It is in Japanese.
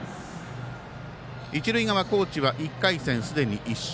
一塁側、高知は１回戦すでに１勝。